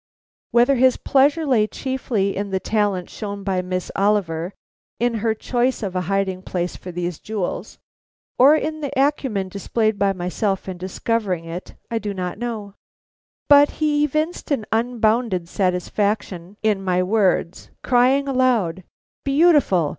Whether his pleasure lay chiefly in the talent shown by Miss Oliver in her choice of a hiding place for these jewels, or in the acumen displayed by myself in discovering it, I do not know; but he evinced an unbounded satisfaction in my words, crying aloud: "Beautiful!